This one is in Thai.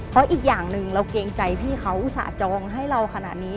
เพราะอีกอย่างหนึ่งเราเกรงใจพี่เขาอุตส่าห์จองให้เราขนาดนี้